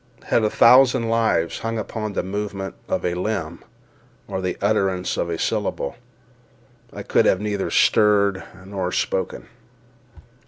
Had a thousand lives hung upon the movement of a limb or the utterance of a syllable, I could have neither stirred nor spoken.